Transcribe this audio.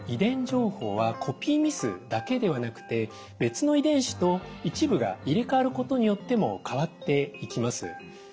情報はコピーミスだけではなくて別の遺伝子と一部が入れ替わることによっても変わっていきます。